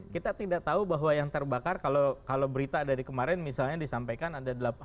kita tidak tahu bahwa yang terbakar kalau berita dari kemarin misalnya disampaikan ada delapan